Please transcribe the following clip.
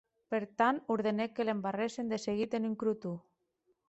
Per tant, ordenèc que l’embarrèssen de seguit en un croton.